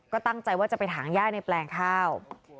ก็ตั้งใจว่าจะไปถางย่าในแปลงข้าว